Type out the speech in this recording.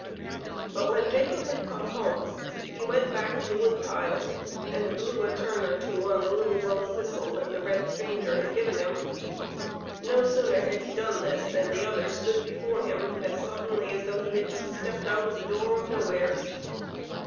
But when Jacob had come home, he went back of the wood pile and blew a turn or two on the little bone whistle that the red stranger had given him. No sooner had he done this than the other stood before him as suddenly as though he had just stepped out 'of the door of nowheres.